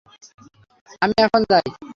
আমি এখন যাই।